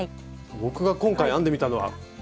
僕が今回編んでみたのはこれです！